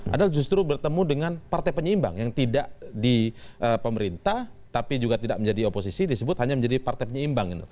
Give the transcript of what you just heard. anda justru bertemu dengan partai penyeimbang yang tidak di pemerintah tapi juga tidak menjadi oposisi disebut hanya menjadi partai penyeimbang